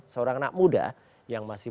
seorang anak muda yang masih